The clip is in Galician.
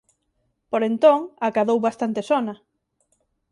Por entón acadou bastante sona.